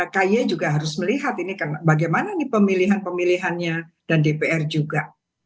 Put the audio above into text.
kay juga harus melihat ini bagaimana nih pemilihan pemilihannya dan dpr juga